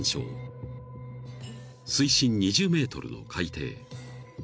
［水深２０ｍの海底］